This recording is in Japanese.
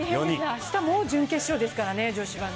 明日もう準決勝ですからね、女子は。